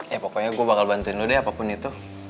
ya pokoknya gue bakal bantuin lo deh apapun itu